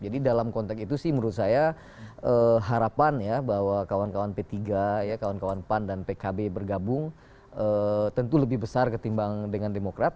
jadi dalam konteks itu sih menurut saya harapan ya bahwa kawan kawan p tiga kawan kawan pan dan pkb bergabung tentu lebih besar ketimbang dengan demokrat